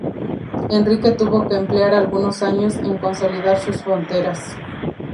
Enrique tuvo que emplear algunos años en consolidar sus fronteras.